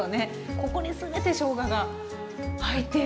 ここに全てしょうがが入ってる。